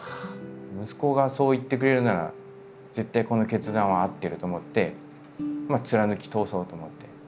息子がそう言ってくれるなら絶対この決断は合ってると思ってまあ貫き通そうと思って。